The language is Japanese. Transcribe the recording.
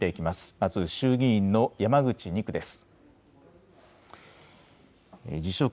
まず衆議院の山口２区です。